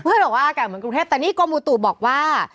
เพื่อนก็บอกว่าอากาศเหมือนกรุงเทพแต่นี่ก้อมูตุบอกว่า